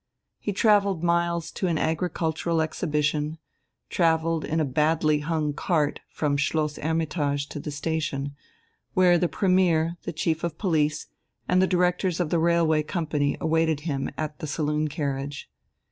He travelled miles to an agricultural exhibition, travelled in a badly hung cart from Schloss "Hermitage" to the station, where the Premier, the Chief of Police, and the directors of the railway company awaited him at the saloon carriage.